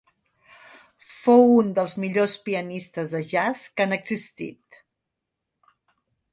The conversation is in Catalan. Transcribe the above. Fou un dels millors pianistes de jazz que han existit.